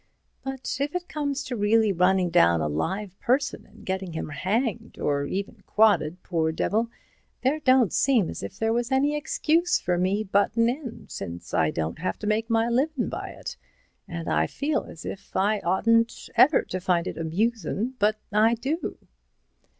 But if it comes to really running down a live person and getting him hanged, or even quodded, poor devil, there don't seem as if there was any excuse for me buttin' in, since I don't have to make my livin' by it. And I feel as if I oughtn't ever to find it amusin'. But I do."